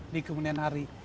di kemudian hari